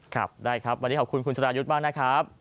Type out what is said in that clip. ครับได้ครับวันนี้ขอบคุณคุณสรายุทธ์มากนะครับ